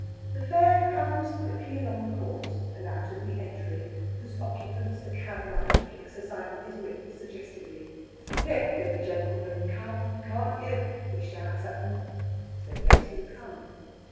The fare comes quickly along the court and out at the entry, whose occupants the cabman flicks aside with his whip suggestively. "Let the gentleman come, can't you!" he shouts at them. They let him come.